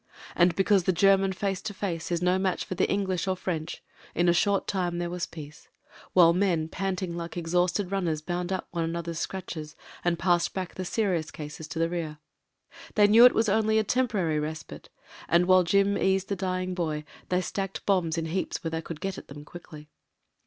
And because the German face to face is no match for the English or French, in a short time there was peace, while men, panting like exhausted runners, bound up one another's scratches, and passed back the serious cases to the rear. They knew it was only a temporary respite, and while Jim eased the dying boy, they stacked bombs in heaps where they could get at them quickly.